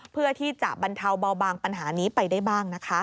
เพื่อที่จะบรรเทาเบาบางปัญหานี้ไปได้บ้างนะคะ